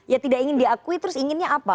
ya tidak ingin diakui terus inginnya apa